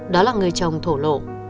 đó là người chồng thổ lộ